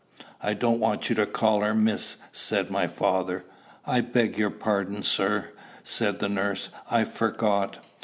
"I don't want you to call her Miss," said my father. "I beg your pardon, sir," said the nurse; "I forgot."